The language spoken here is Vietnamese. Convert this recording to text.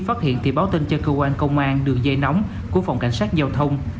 phát hiện thì báo tin cho cơ quan công an đường dây nóng của phòng cảnh sát giao thông